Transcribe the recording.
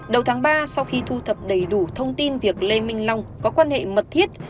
đầu tháng ba sau khi thu thập đầy đủ thông tin việc lê minh long có quan hệ mật thiết